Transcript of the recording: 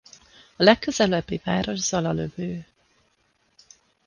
A legközelebbi város Zalalövő.